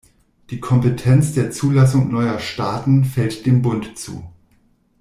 Die „Kompetenz der Zulassung neuer Staaten“ fällt dem Bund zu.